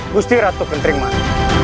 gusti ratu gentering mani